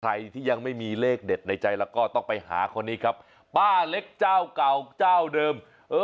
ใครที่ยังไม่มีเลขเด็ดในใจแล้วก็ต้องไปหาคนนี้ครับป้าเล็กเจ้าเก่าเจ้าเดิม